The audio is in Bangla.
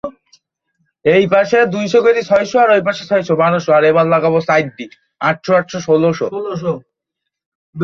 কী হইছে তোমাদের?